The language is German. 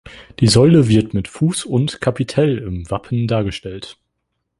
Die Säule wird mit Fuß und Kapitell im Wappen dargestellt.